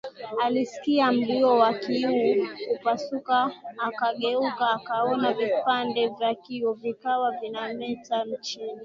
Alisikia mlio wa kioo kupasuka akageuka akaona vipande vya kioo vikiwa vinameta chini